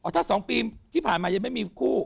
ถ้า๒ปีที่ผ่านมายังไม่มีคู่